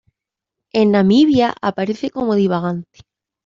En Namibia aparece como divagante.